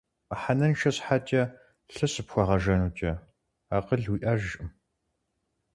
Мыхьэнэншэ щхьэкӀэ лъы щыпхуэгъэжэнукӀэ, акъыл уиӀэжкъым.